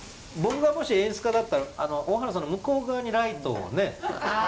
僕がもし演出家だったら大原さんの向こう側にライトをね。